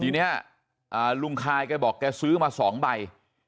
ทีนี้ลุงคายแกบอกแกซื้อมา๒ใบ